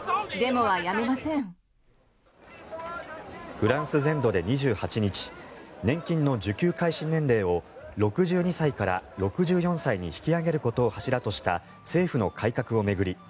フランス全土で２８日年金の受給開始年齢を６２歳から６４歳に引き上げることを柱とした政府の改革を巡り